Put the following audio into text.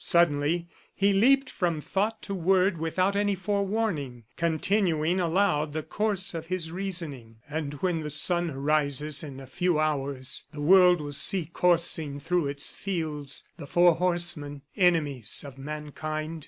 Suddenly he leaped from thought to word without any forewarning, continuing aloud the course of his reasoning. "And when the sun arises in a few hours, the world will see coursing through its fields the four horsemen, enemies of mankind.